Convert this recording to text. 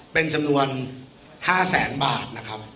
เป็นจำนวน๕แสนบาท